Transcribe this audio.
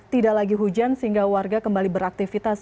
tidak lagi hujan sehingga warga kembali beraktivitas